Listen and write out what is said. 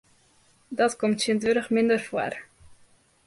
Dat komt tsjintwurdich minder foar.